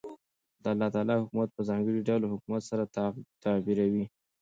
او دالله تعالى حكومت په ځانګړي ډول حكومت سره تعبيروي .